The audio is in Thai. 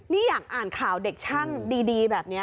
นี่อยากอ่านข่าวเด็กช่างดีแบบนี้